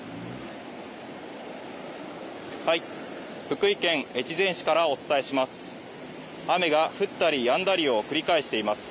福井県越前市からお伝えします